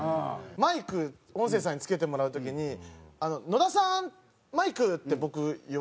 マイク音声さんに着けてもらう時に「野田さんマイク」って僕言われるんですよ。